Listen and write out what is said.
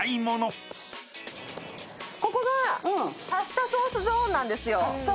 ここがパスタソースゾーンなんですよ。